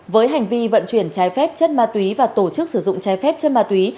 với hành vi vận chuyển trái phép chất ma túy và tổ chức sử dụng trái phép chất ma túy